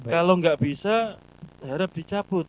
kalau nggak bisa harap dicabut